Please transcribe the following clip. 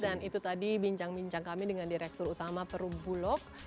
dan itu tadi bincang bincang kami dengan direktur utama perubulok